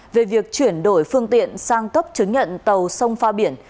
về việc chuyển đổi phương tiện sang cấp chứng nhận tàu sông pha biển